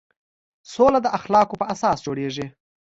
سوله د اخلاقو په اساس جوړېږي.